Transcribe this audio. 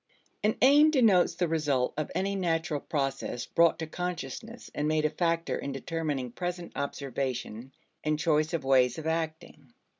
An aim denotes the result of any natural process brought to consciousness and made a factor in determining present observation and choice of ways of acting.